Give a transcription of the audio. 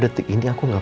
nih tak usah keempat